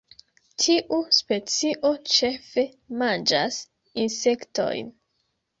Tiu specio ĉefe manĝas insektojn.